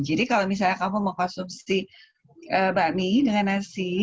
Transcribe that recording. jadi kalau misalnya kamu mengkonsumsi bakmi dengan nasi